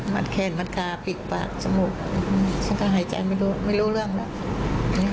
แขนมัดกาปิดปากจมูกฉันก็หายใจไม่รู้ไม่รู้เรื่องแล้ว